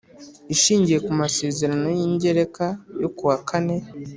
Ishingiye ku Masezerano y Ingereka yo ku wa kane